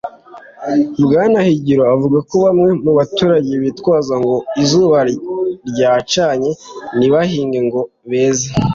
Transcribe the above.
Bwana Higiro avuga ko bamwe mu baturage bitwaza ko ngo izuba ryacanye ntibahinge ngo beze